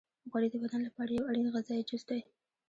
غوړې د بدن لپاره یو اړین غذایي جز دی.